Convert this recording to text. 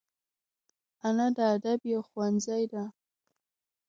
انا د ادب یو ښوونځی ده